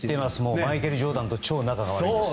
マイケル・ジョーダンと超仲が悪いです。